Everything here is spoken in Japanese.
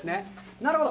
なるほど。